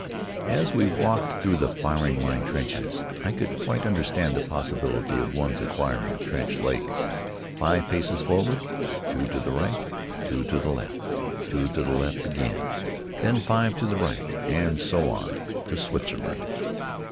As we walked through the firing line trenches, I could quite understand the possibility of one's acquiring trench legs. Five paces forward, two to the right, two to the left, two to the left again, then five to the right, and so on to Switzerland.